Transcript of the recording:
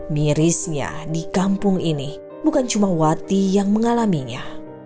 mirisnya di kampung ini bukan cuma wati yang mengalaminya